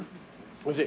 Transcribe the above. おいしい？